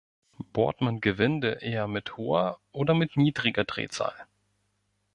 Bohrt man Gewinde eher mit hoher oder mit niedriger Drehzahl?